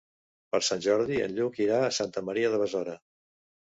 Per Sant Jordi en Lluc irà a Santa Maria de Besora.